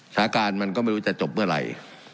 สถานการณ์มันก็ไม่รู้จะจบเมื่อไหร่